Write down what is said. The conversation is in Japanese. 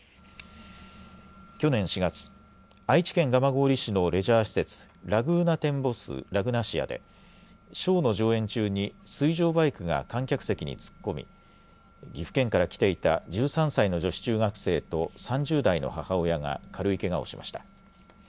去年４月、愛知県蒲郡市のレジャー施設ラグーナテンボスラグナシアでショーの上演中に水上バイクが観客席に突っ込み岐阜県から来ていた１３歳の女子中学生と３０代の母親が軽いけがをしました。